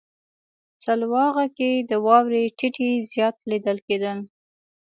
سلواغه کې د واورې ټيټی زیات لیدل کیږي.